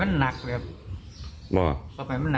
มันคร่าเมืองชีวิต